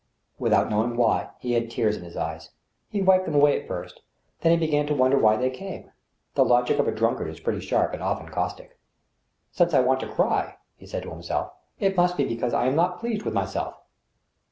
Without knowing why, he had tears in his eyes. He wiped them away at first ; then he began to wonder why they came. The logic of a drunkard is pretty sharp and often casuistic. Since I want to cry," he said to himself, " it must be because I am not pleased with myself."